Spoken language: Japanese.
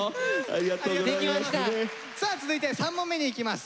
さあ続いて３問目にいきます。